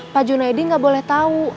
pak junaedi gak boleh tau